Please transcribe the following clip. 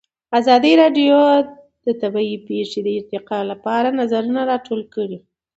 ازادي راډیو د طبیعي پېښې د ارتقا لپاره نظرونه راټول کړي.